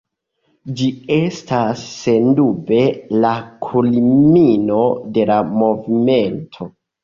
Ĝi estas sendube la kulmino de la movimento.